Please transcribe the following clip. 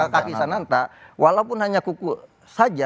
kaki sananta walaupun hanya kuku saja